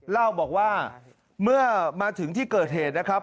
เล่าบอกว่าเมื่อมาถึงที่เกิดเหตุนะครับ